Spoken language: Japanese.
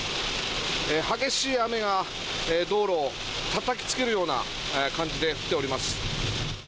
激しい雨が道路をたたきつけるような感じで降っております。